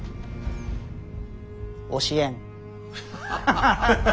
教えん。